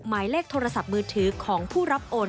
หมายเลขโทรศัพท์มือถือของผู้รับโอน